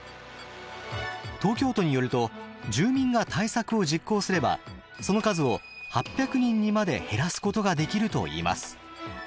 東京都によると住民が対策を実行すればその数を８００人にまで減らすことができるといいます。